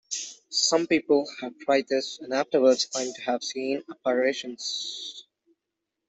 Some people have tried this and afterwards claim to have seen apparitions.